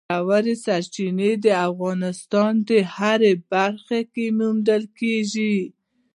ژورې سرچینې د افغانستان په هره برخه کې موندل کېږي.